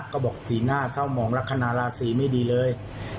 ก็บอกสีหน้าเศร้าหมองและขนาดลาสีไม่ดีเลย